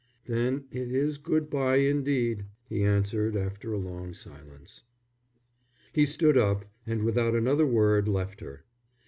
"Then it is good bye indeed," he answered, after a long silence. He stood up and without another word left her.